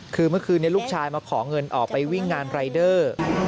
คือเมื่อคืนนี้ลูกชายมาขอเงินออกไปวิ่งงานรายเดอร์